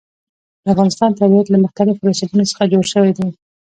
د افغانستان طبیعت له مختلفو رسوبونو څخه جوړ شوی دی.